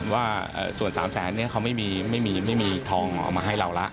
ว่าส่วนสามแสนเนี้ยเขาไม่มีไม่มีไม่มีทองออกมาให้เราระ